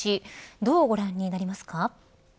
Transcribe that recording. どうご覧になりますか。